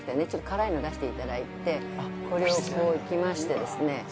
辛いの出していただいてこれをこういきましてですね